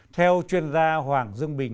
theo chuyên gia hoàng dương bình